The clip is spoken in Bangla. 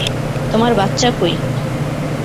তোমার বাচ্চা কই?